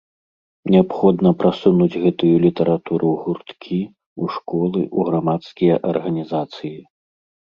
Неабходна прасунуць гэтую літаратуру ў гурткі, у школы, у грамадскія арганізацыі.